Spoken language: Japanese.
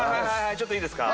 ちょっといいですか？